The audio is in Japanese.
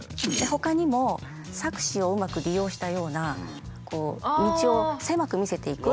ほかにも錯視をうまく利用したような道を狭く見せていく。